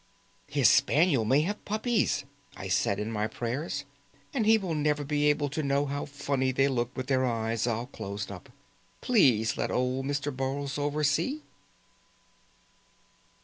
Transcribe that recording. "His spaniel may have puppies," I said in my prayers, "and he will never be able to know how funny they look with their eyes all closed up. Please let old Mr. Borlsover see."